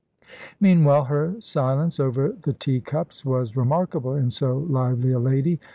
Meanwhile, her silence over the teacups was remarkable in so lively a lady.